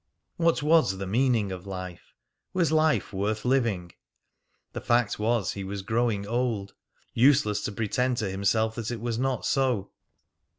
What was the meaning of life? Was life worth living? The fact was, he was growing old. Useless to pretend to himself that it was not so.